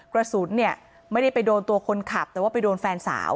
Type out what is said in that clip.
กระสุนเนี่ยไม่ได้ไปโดนตัวคนขับแต่ว่าไปโดนแฟนสาว